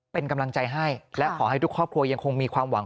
เป็นกำลังใจให้และขอให้ทุกครอบครัวยังคงมีความหวัง